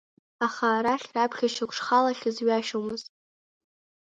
Аха арахь раԥхьа шьоук шхалахьаз ҩашьомызт.